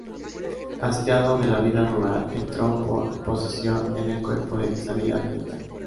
Hastiado de la vida rural, entró por oposición en el Cuerpo de Sanidad Militar.